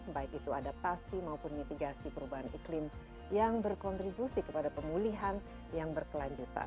baik itu adaptasi maupun mitigasi perubahan iklim yang berkontribusi kepada pemulihan yang berkelanjutan